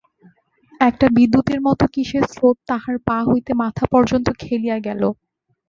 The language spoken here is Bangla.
একটা বিদ্যুতের মতো কিসের স্রোত তাহার পা হইতে মাথা পর্যন্ত খেলিয়া গেল।